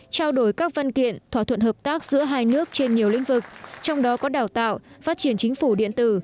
trao đổi các văn kiện thỏa thuận hợp tác giữa hai nước trên nhiều lĩnh vực trong đó có đào tạo phát triển chính phủ điện tử